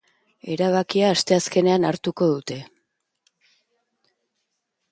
Erabakia asteazkenean hartuko dute.